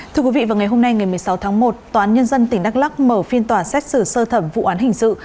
thưa quý vị vào ngày hôm nay ngày một mươi sáu tháng một tòa án nhân dân tỉnh đắk lắc mở phiên tòa xét xử sơ thẩm vụ án hình sự